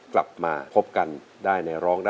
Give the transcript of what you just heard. กลับมาพบกันได้ในร้องได้